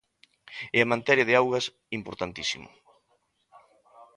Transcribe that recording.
E en materia de augas, importantísimo.